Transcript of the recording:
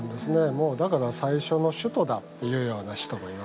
もうだから「最初の首都だ」って言うような人もいますね。